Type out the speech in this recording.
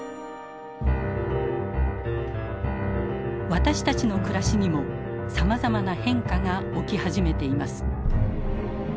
私たちの暮らしにもさまざまな変化が起き始めています。